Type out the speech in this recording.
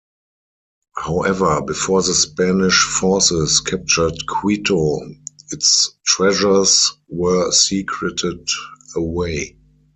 However, before the Spanish forces captured Quito, its treasures were secreted away.